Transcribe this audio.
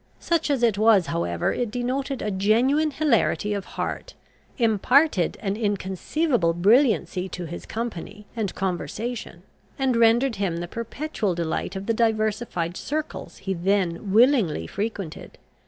Such as it was however, it denoted a genuine hilarity of heart, imparted an inconceivable brilliancy to his company and conversation, and rendered him the perpetual delight of the diversified circles he then willingly frequented.